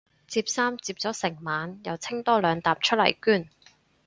摺衫摺咗成晚又清多兩疊出嚟捐